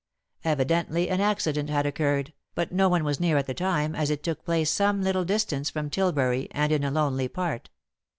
Evidently an accident had occurred, but no one was near at the time, as it took place some little distance from Tilbury and in a lonely part.